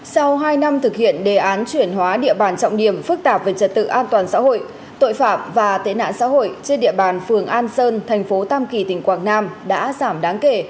sau hai năm thực hiện đề án chuyển hóa địa bàn trọng điểm phức tạp về trật tự an toàn xã hội tội phạm và tệ nạn xã hội trên địa bàn phường an sơn thành phố tam kỳ tỉnh quảng nam đã giảm đáng kể